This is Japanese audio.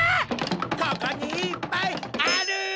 ここにいっぱいある！